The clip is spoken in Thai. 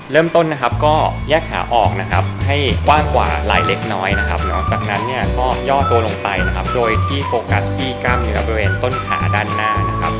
เริ่มต้นนะครับก็แยกขาออกนะครับให้กว้างกว่าลายเล็กน้อยนะครับหลังจากนั้นเนี่ยก็ย่อตัวลงไปนะครับโดยที่โฟกัสที่กล้ามเนื้อบริเวณต้นขาด้านหน้านะครับ